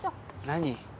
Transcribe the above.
何？